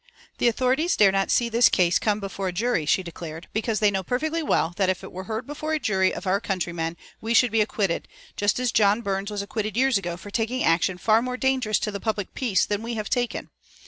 "The authorities dare not see this case come before a jury," she declared, "because they know perfectly well that if it were heard before a jury of our countrymen we should be acquitted, just as John Burns was acquitted years ago for taking action far more dangerous to the public peace than we have taken.